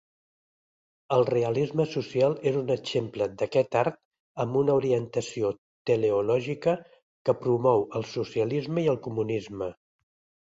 El realisme social és un exemple d'aquest art amb una orientació teleològica que promou el socialisme i el comunisme.